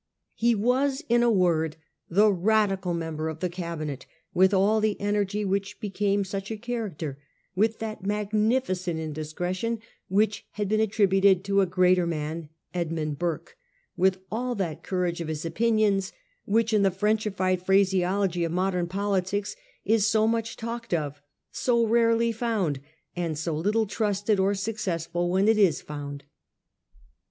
He was in a word the Radical member of the Cabinet, with all the energy which became such a character ; with that ' magnificent indiscretion ' which had been attri buted to a greater man, Edmund Burke ; with all that courage of his opinions which, in the Frenchified phraseology of modem politics, is so much talked of, so rarely found, and so little trusted or successful when it is found.